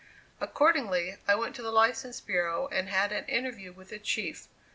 Accordingly, I went to the license bureau and had an interview with the chief.